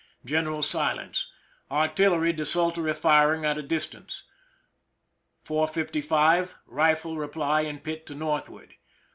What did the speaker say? General silence. Artil lery desultory firing at a distance. 4 : 55, rifle reply in pit to northward.